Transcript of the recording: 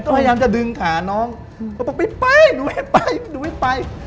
ก็พยายามจะดึงขาน้องเขาบอกไม่ไปหนูไม่ไปหนูไม่ไป